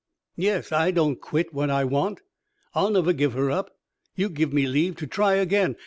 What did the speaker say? "Yes. I don't quit what I want. I'll never give her up. You give me leave to try again?